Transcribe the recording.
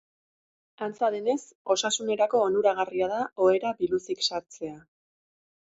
Antza denez, osasunerako onuragarria da ohera biluzik sartzea.